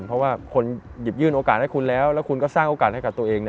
เพราะว่าคนหยิบยื่นโอกาสให้คุณแล้วแล้วคุณก็สร้างโอกาสให้กับตัวเอง